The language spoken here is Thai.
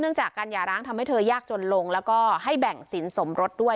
จากการหย่าร้างทำให้เธอยากจนลงแล้วก็ให้แบ่งสินสมรสด้วย